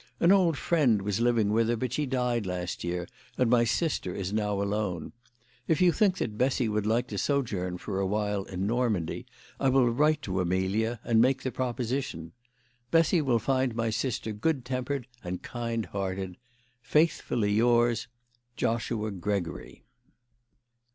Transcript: An old friend was living with her, but she died last year, and my sister is now alone. If you think that Bessy would like to sojourn for awhile in Normandy, I will write to Amelia and make the proposition. Bessy will find my sister good tempered and kind hearted. Faithfully yours, JOSHUA GREGORY."